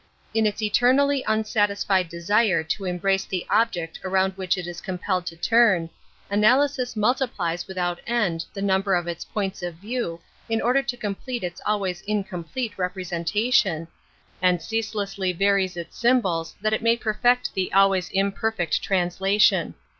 In its eternally unsatisfied desire to embrace the object around which it is compelled to turn, analysis multiplies without end the number of its points of view in order to complete its always incomplete representa tion, and ceaselessly varies its symbols that it may perfect the always imperfect trans lation.